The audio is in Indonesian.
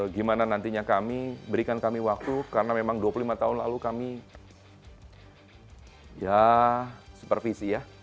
gimana nantinya kami berikan kami waktu karena memang dua puluh lima tahun lalu kami ya supervisi ya